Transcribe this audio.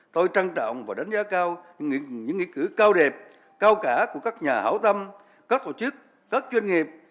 tôi trân trọng và đánh giá cao những nghĩa cử cao đẹp cao cả của các nhà hảo tâm các tổ chức các doanh nghiệp